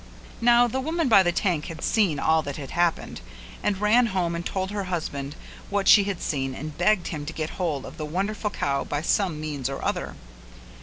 Now the woman by the tank had seen all that had happened and ran home and told her husband what she had seen and begged him to get hold of the wonderful cow by some means or other.